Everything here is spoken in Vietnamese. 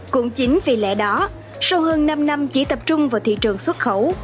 cũng chính vì lẽ đó sau hơn năm năm chỉ tập trung vào thị trường xuất khẩu